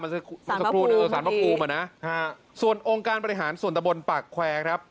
สรรพกูมสรรพกูมอ่ะนะฮ่าส่วนองค์การประหลาดส่วนตะบนปากแควร์ครับ